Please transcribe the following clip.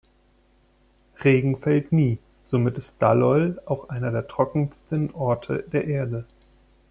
Regen fällt nie, somit ist Dallol auch einer der trockensten Orte der Erde.